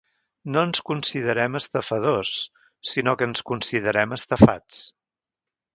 No ens considerem estafadors, sinó que ens considerem estafats.